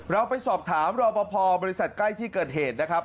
เราไปสอบถามรอปภบริษัทใกล้ที่เกิดเหตุนะครับ